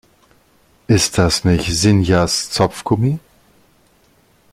Ist das nicht Sinjas Zopfgummi?